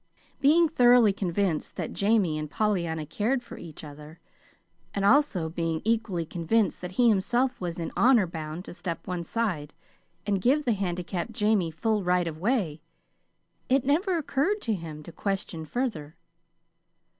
Being thoroughly convinced that Jamie and Pollyanna cared for each other, and also being equally convinced that he himself was in honor bound to step one side and give the handicapped Jamie full right of way, it never occurred to him to question further.